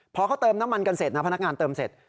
พอเขาเติมน้ำมันกันเสร็จนะพนักงานเติมเสร็จ